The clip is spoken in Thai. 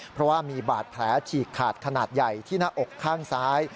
เพราะว่ามีบาดแผลฉีกขาดขนาดใหญ่ที่หน้าอกข้างซ้าย